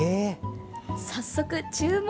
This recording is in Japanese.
早速、注文。